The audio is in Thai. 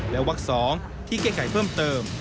และวัก๒ที่แก้ไขเพิ่มเติม